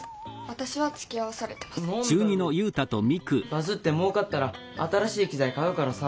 バズってもうかったら新しい機材買うからさ。